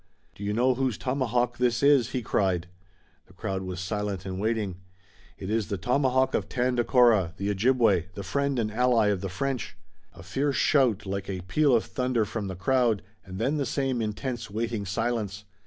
"Do you know whose tomahawk this is?" he cried. The crowd was silent and waiting. "It is the tomahawk of Tandakora, the Ojibway, the friend and ally of the French." A fierce shout like a peal of thunder from the crowd, and then the same intense, waiting silence.